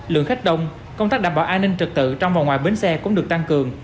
lượng khách đông công tác đảm bảo an ninh trật tự trong và ngoài bến xe cũng được tăng cường